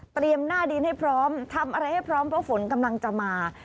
หน้าดินให้พร้อมทำอะไรให้พร้อมเพราะฝนกำลังจะมา